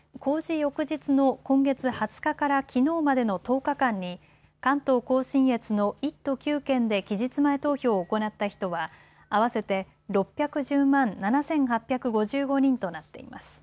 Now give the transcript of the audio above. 翌日の今月２０日からきのうまでの１０日間に関東甲信越の１都９県で期日前投票を行った人は合わせて６１０万７８５５人となっています。